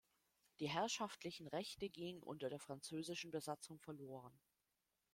Die herrschaftlichen Rechte gingen unter der französischen Besatzung verloren.